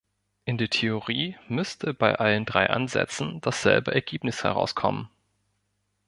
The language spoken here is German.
In der Theorie müsste bei allen drei Ansätzen dasselbe Ergebnis herauskommen.